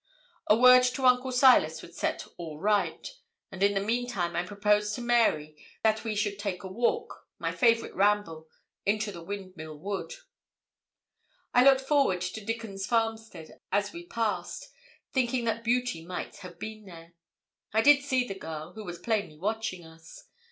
A word to Uncle Silas would set all right; and in the meantime I proposed to Mary that we should take a walk my favourite ramble into the Windmill Wood. I looked toward Dickon's farmstead as we passed, thinking that Beauty might have been there. I did see the girl, who was plainly watching us.